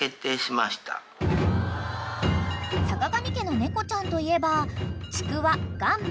［坂上家の猫ちゃんといえば］